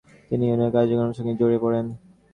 তিনি ইউনিয়নের কাজকর্মের সঙ্গে জড়িয়ে পড়েন।